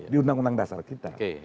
di undang undang dasar kita